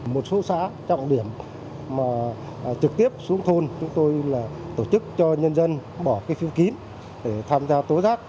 một số xã trọng điểm mà trực tiếp xuống thôn chúng tôi là tổ chức cho nhân dân bỏ cái phiếu kín để tham gia tố giác